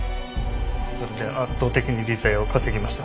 それで圧倒的に利ざやを稼ぎました。